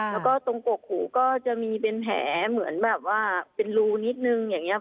แล้วก็ตรงกกหูก็จะมีเป็นแผลเหมือนแบบว่าเป็นรูนิดนึงอย่างนี้